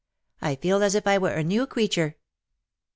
I feel as if I were a new creature."